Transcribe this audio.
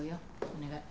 お願い。